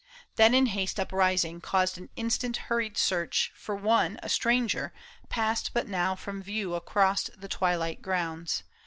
Then in haste Uprising, caused an instant hurried search For one, a stranger, passed but now from view Across the twilight grounds.